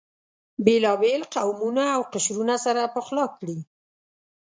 بېلابېل قومونه او قشرونه سره پخلا کړي.